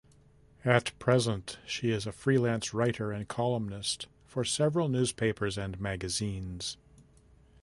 At present, she is a freelance writer and columnist for several newspapers and magazines.